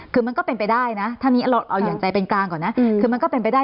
คือมันก็เป็นไปได้นะถ้านี้เราเอาอย่างใจเป็นกลางก่อนนะคือมันก็เป็นไปได้